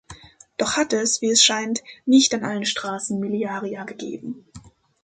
Doch hat es, wie es scheint, nicht an allen Straßen Miliaria gegeben.